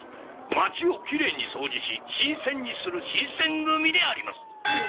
町をきれいに掃除し「新鮮」にする「新鮮組」であります。